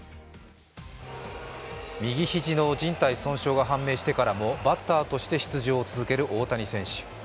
右肘のじん帯損傷が判明してからもバッターとして出場を続ける大谷選手。